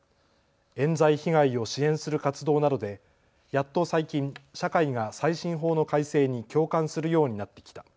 えん罪被害を支援する活動などでやっと最近、社会が再審法の改正に共感するようになってきた。